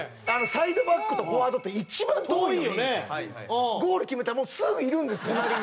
サイドバックとフォワードって一番遠いのにゴール決めたらもうすぐいるんです隣に！